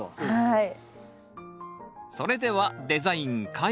はい。